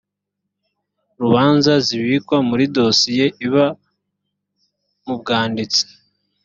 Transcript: rubanza zibikwa muri dosiye iba mu bwanditsi